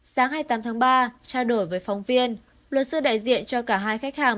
sáng hai mươi tám tháng ba trao đổi với phóng viên luật sư đại diện cho cả hai khách hàng